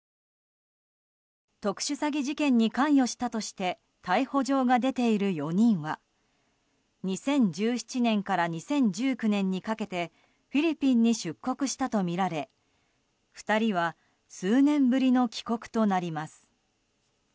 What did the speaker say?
特殊詐欺事件に関与したとして逮捕状が出ている４人は２０１７年から２０１９年にかけてフィリピンに出国したとみられ２人は数年ぶりの帰国となります。